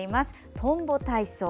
「トンボ体操」。